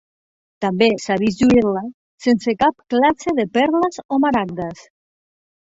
També s'ha vist lluir-la sense cap classe de perles o maragdes.